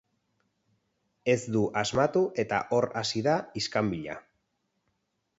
Ez du asmatu eta hor hasi da iskanbila.